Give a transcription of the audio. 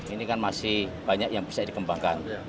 ini kan masih banyak yang bisa dikembangkan